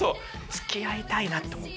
つきあいたいなって思って。